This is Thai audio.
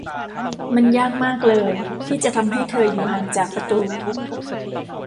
มันยากมากเลย ที่จะทำให้เธออยู่ห่างจากประตู